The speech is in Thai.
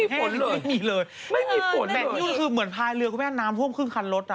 ฝนแห้งไม่มีเลยแบบนี้คือเหมือนพายเรือกแม่น้ำท่วมครึ่งคันรถอะ